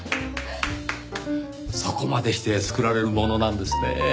そこまでして作られるものなんですねぇ。